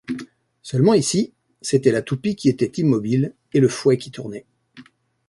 Seulement, ici, c’était la toupie qui était immobile, et le fouet qui tournait.